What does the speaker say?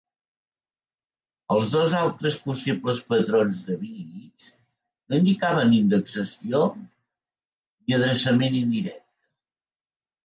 Els dos altres possibles patrons de bits no indicaven indexació, ni adreçament indirecte.